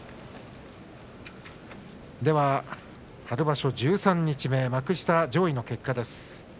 春場所十三日目幕下上位の結果です。